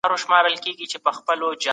تاسو د خپلو کالیو په مینځلو بوخت یاست.